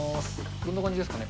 どんな感じですかね。